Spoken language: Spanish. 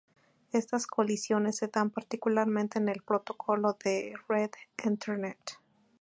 Estas colisiones se dan particularmente en el protocolo de red Ethernet.